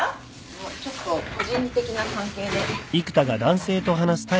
あっちょっと個人的な関係で。